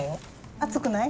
熱くない？